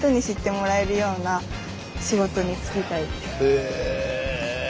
へえ！